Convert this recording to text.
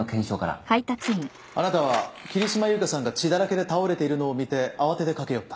あなたは桐島優香さんが血だらけで倒れているのを見て慌てて駆け寄った。